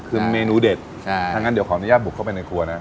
คือเมนูเด็ดถ้างั้นเดี๋ยวขออนุญาตบุกเข้าไปในครัวนะ